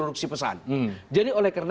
untuk memberlanggang eras nyo nyongka mesin